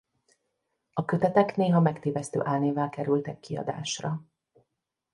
A kötetek néha megtévesztő álnévvel kerültek kiadásra.